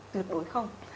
tuyệt đối không